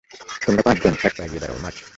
তোমরা পাঁচজন, এক পা এগিয়ে দাঁড়াও, মার্চ!